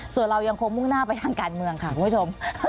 ส่วนเรายังคงมุ่งหน้าไปทางการเมืองค่ะคุณผู้ชม